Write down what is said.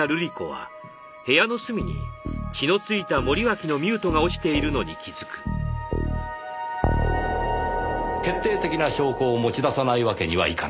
決定的な証拠を持ち出さないわけにはいかなかった。